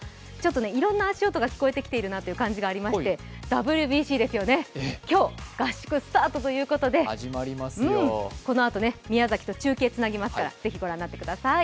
いろんな足音が聞こえてくるなという感じがありましてＷＢＣですよね、今日合宿スタートということで、このあと宮崎と中継つなぎますから、ぜひご覧になってください。